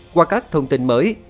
qua các thông tin mới